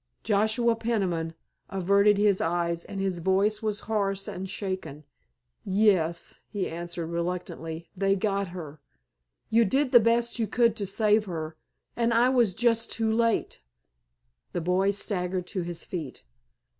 Joshua Peniman averted his eyes and his voice was hoarse and shaken. "Yes," he answered reluctantly, "they got her. You did the best you could to save her, and I was just too late." The boy staggered to his feet.